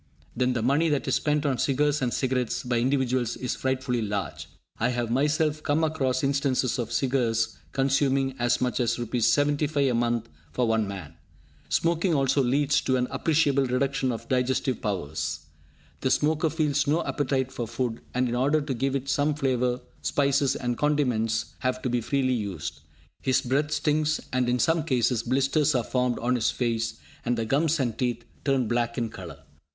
Then the money that is spent on cigars and cigarettes by individuals is frightfully large. I have myself come across instances of cigars consuming as much as Rs. 75 a month for one man! Smoking also leads to an appreciable reduction of digestive powers. The smoker feels no appetite for food, and in order to give it some flavour, spices and condiments have to be freely used. His breath stinks, and, in some cases, blisters are formed on his face, and the gums and teeth turn black in colour.